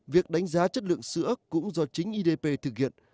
việc đánh giá chất lượng sữa cũng do chính idp thực hiện